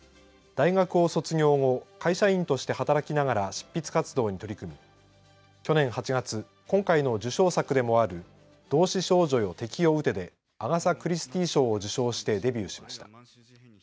大学を卒業後、会社員として働きながら執筆活動に取り組み去年８月、今回の受賞作でもある同志少女よ、敵を撃てでアガサ・クリスティー賞を受賞してデビューしました。